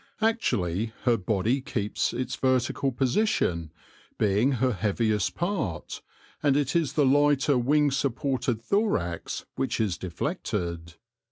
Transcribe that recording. Actually her body keeps its vertical position, being her heaviest part, and it is the lighter wing supporting thorax which is deflected.